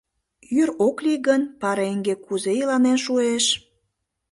Йӱр ок лий гын, пареҥге кузе иланен шуэш?